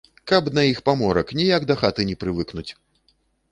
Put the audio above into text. Каб на іх паморак, ніяк да хаты не прывыкнуць.